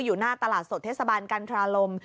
อยู่หน้าตลาดสดเทศบาลกันทราลม